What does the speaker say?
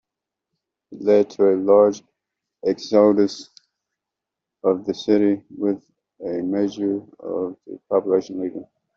It led to a large exodus of the city, with a majority of the population leaving.